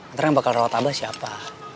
nanti yang bakal rawat abah siapa